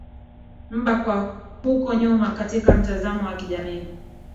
mba kwa huko nyuma katika mtazamo wa kijamii